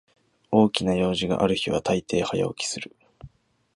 大きな用事がある日はたいてい早起きする